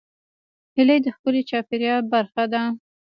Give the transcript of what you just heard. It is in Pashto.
هیلۍ د ښکلي چاپېریال برخه ده